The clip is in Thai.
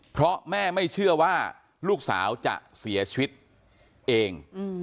เพราะแม่ไม่เชื่อว่าลูกสาวจะเสียชีวิตเอง